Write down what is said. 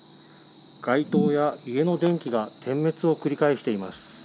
街灯や家の電気が点滅を繰り返しています。